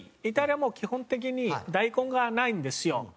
イタリアも基本的に大根がないんですよ。